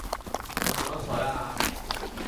你係乜水啊